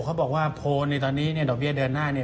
เขาบอกว่าโพลต์ในตอนนี้ดอกเบี้ยเดือนหน้า